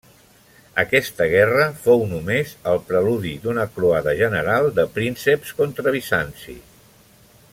Aquesta guerra fou només el preludi d'una croada general de prínceps contra Bizanci.